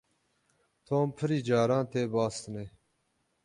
Tom pirî caran tê bostonê.